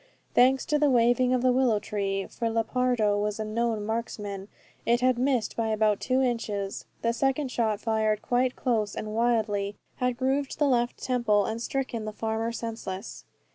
Thanks to the waving of the willow tree, for Lepardo was a known marksman, it had missed by about two inches. The second shot, fired quite close and wildly, had grooved the left temple, and stricken the farmer senseless.